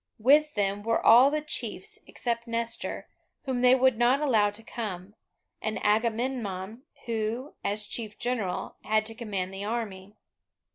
With them were all the chiefs except Nestor, whom they would not allow to come, and Agamemnon, who, as chief general, had to command the army.